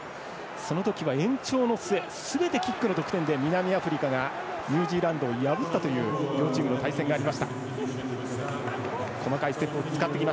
その時は延長の末すべてキックの得点で南アフリカがニュージーランドを破ったという両チームの対戦がありました。